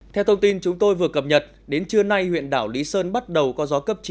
theo thông tin chúng tôi vừa cập nhật đến trưa nay huyện đảo lý sơn bắt đầu có gió cấp chín